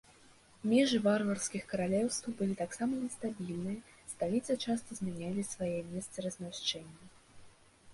Межы варварскіх каралеўстваў былі таксама нестабільныя, сталіцы часта змянялі свае месцы размяшчэння.